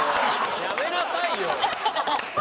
やめなさいよ。